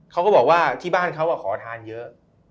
เขาก็บอกว่าที่บ้านเขาขอทานเยอะ